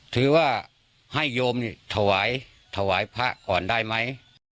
ถือว่าให้โยมนี่ถวายถวายพระก่อนได้ไหม